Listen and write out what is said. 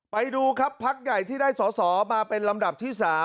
ไปดูครับที่ได้สสมาเป็นลำดับที่๓